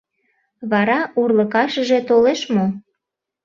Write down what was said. Вара урлыкашыже толеш мо?